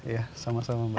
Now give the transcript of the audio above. ya sama sama mbak desi